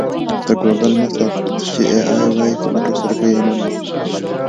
د ګوګل مشر: څه چې اې ای وايي په پټو سترګو یې مه منئ.